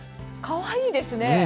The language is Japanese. かわいいですね。